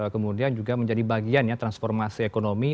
kemudian juga menjadi bagiannya transformasi ekonomi